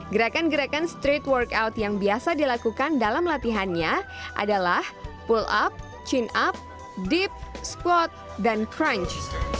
gerakan gerakan street workout yang biasa dilakukan dalam latihannya adalah pull up chin up deep squat dan crunch